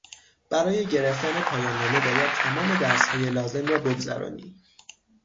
برای گرفتن پایاننامه باید تمام درسهای لازم را بگذرانی.